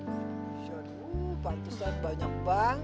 aduh pantusan banyak banget